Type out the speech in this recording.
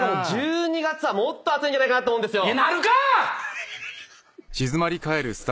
１２月はもっと暑いんじゃないかなって思うんですよ。